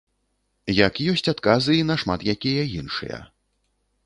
Як ёсць адказы і на шмат якія іншыя.